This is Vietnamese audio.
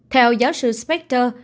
theo giáo sư specter